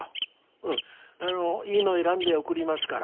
うんあのいいの選んで送りますから。